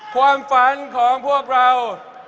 ความฝันของพวกเรา